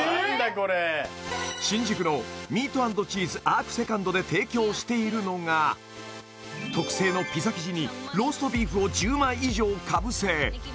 これ新宿のＭｅａｔ＆ＣｈｅｅｓｅＡｒｋ２ｎｄで提供しているのが特製のピザ生地にローストビーフを１０枚以上かぶせ